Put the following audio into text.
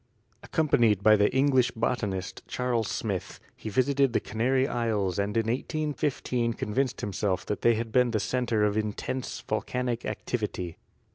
Accompanied by the English botanist, Charles Smith, he visited the Canary Isles and in 1815 convinced himself that they had been the center of intense volcanic activity.